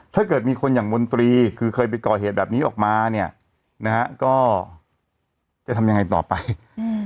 ถ้าเกิดมีคนอย่างมนตรีคือเคยไปก่อเหตุแบบนี้ออกมาเนี่ยนะฮะก็จะทำยังไงต่อไปอืม